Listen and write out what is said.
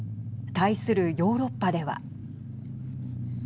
対するヨーロッパでは。